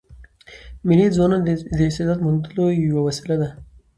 مېلې د ځوانانو د استعداد موندلو یوه وسیله ده.